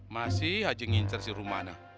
masih aja ngincer si rumana